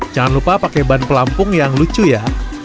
jangan lupa pakai ban pelampung yang lucu ya